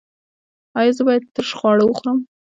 ایا زه باید ترش خواړه وخورم؟